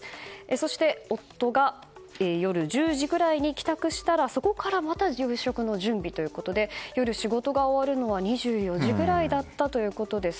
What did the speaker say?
そして、夫が夜１０時くらいに帰宅したらそこからまた夕食の準備ということで夜、仕事が終わるのは２４時ぐらいだったということです。